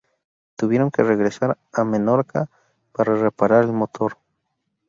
Tuvieron que regresar a Menorca para reparar el motor.